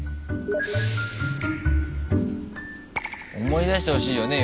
思い出してほしいよね。